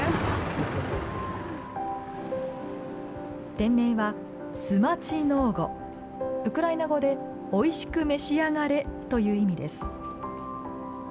店名は、スマチノーゴ、ウクライナ語でおいしく召し上がれという意味です。